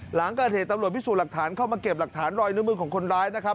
หลังเกิดเหตุตำรวจพิสูจน์หลักฐานเข้ามาเก็บหลักฐานรอยนิ้วมือของคนร้ายนะครับ